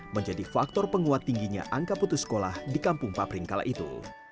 menjadi faktor penguat tingginya angka putus sekolah di kampung papring kala itu